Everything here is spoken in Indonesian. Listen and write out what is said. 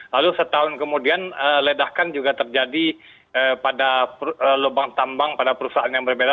lalu setahun kemudian ledakan juga terjadi pada lubang tambang pada perusahaan yang berbeda